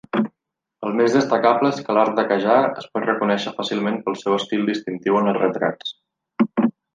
El més destacable és que l"art de Qajar es pot reconèixer fàcilment pel seu estil distintiu en els retrats.